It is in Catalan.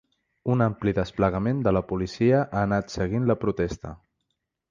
Un ampli desplegament de la policia ha anat seguint la protesta.